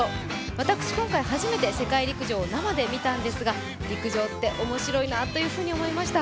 私今回、初めて世界陸上を生で見たんですが、陸上って面白いなというふうに思いました。